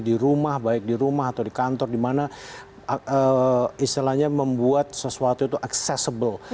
di rumah baik di rumah atau di kantor di mana istilahnya membuat sesuatu itu accessible